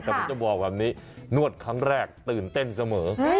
แต่ว่าว่านี่นวดครั้งแรกตื่นเต้นเสมอ